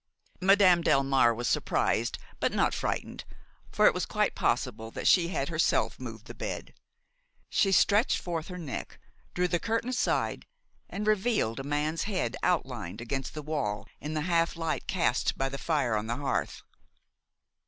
Madame Delmare was surprised but not frightened, for it was quite possible that she had herself moved the bed; she stretched forth her neck, drew the curtain aside and revealed a man's head outlined against the wall in the half light cast by the fire on the hearth.